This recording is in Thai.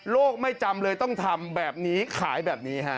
ไม่จำเลยต้องทำแบบนี้ขายแบบนี้ฮะ